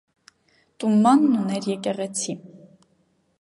Տումանն ուներ եկեղեցի։